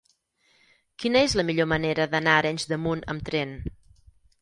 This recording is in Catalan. Quina és la millor manera d'anar a Arenys de Munt amb tren?